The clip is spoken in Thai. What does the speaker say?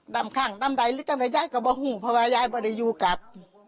น้ำข้างน้ำใดหรือจะไหนย้ายก็ไม่รู้เพราะว่าย้ายไม่ได้อยู่กับ